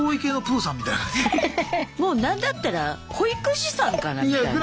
もう何だったら保育士さんかなみたいな。